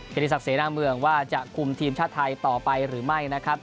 ริศักดิเสนาเมืองว่าจะคุมทีมชาติไทยต่อไปหรือไม่นะครับ